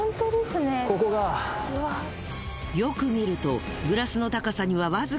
よく見ると。